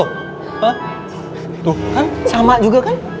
tuh kan sama juga kan